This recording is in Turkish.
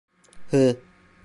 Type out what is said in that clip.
Hı?